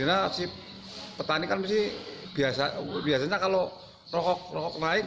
karena petani kan biasanya kalau rokok naik